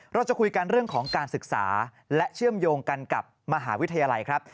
เราจะคุยกันเรื่องของการศึกษาและเชื่อมโยงกันกับมหาวิทยาลัยครับ